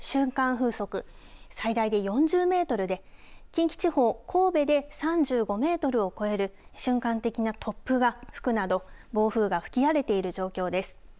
風速最大で４０メートルで、近畿地方、神戸で３５メートルを超える瞬間的な突風が吹くなど、暴風が吹き荒れている状況です。